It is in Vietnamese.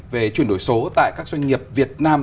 về chuyển đổi số tại các doanh nghiệp việt nam